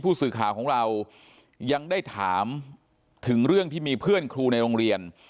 สื่อข่าวของเรายังได้ถามถึงเรื่องที่มีเพื่อนครูในโรงเรียน